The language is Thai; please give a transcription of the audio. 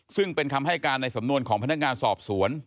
ซึ่งเป็นคำให้การในสำนวนของพนักงานสอบสวน